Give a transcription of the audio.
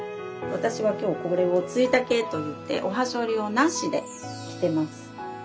私は今日これを対丈といっておはしょりをなしで着てます。